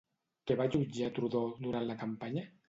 Què va jutjar Trudeau durant la campanya?